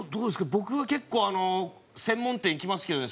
僕は結構あの専門店行きますけどね